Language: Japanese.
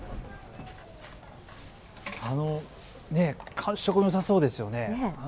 感触はよさそうですよね。